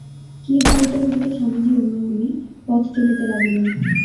কি ভাবিতে ভাবিতে স্বামীজী অন্যমনে পথ চলিতে লাগিলেন।